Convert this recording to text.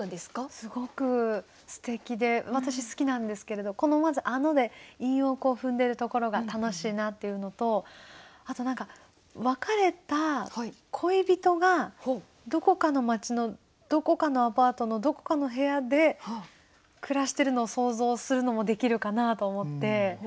すごくすてきで私好きなんですけれどまず「あの」で韻を踏んでるところが楽しいなっていうのとあと別れた恋人がどこかの街のどこかのアパートのどこかの部屋で暮らしてるのを想像するのもできるかなと思って。